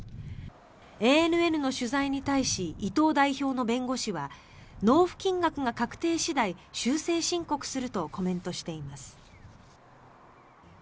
ＡＮＮの取材に対し伊藤代表の弁護士は納付金額が確定次第修正申告するとコメントしています。